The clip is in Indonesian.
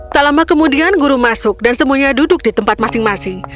tak lama kemudian guru masuk dan semuanya duduk di tempat masing masing